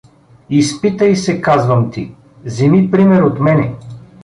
Изпитай се, казвам ти, земи пример от мене.